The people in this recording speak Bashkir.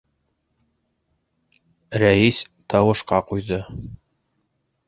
Рәис тауышҡа ҡуйҙы.